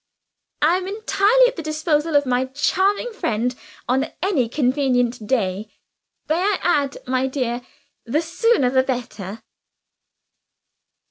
"I am entirely at the disposal of my charming friend, on any convenient day may I add, my dear, the sooner the better?"